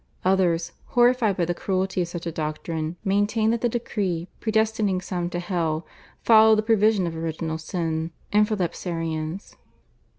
Others, horrified by the cruelty of such a doctrine, maintained that the decree predestining some to hell followed the prevision of Original Sin (Infralapsarians).